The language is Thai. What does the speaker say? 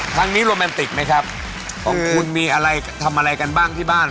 ครั้งนี้โรแมนติกไหมครับของคุณมีอะไรทำอะไรกันบ้างที่บ้าน